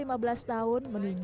sampai di depan teknis terkenal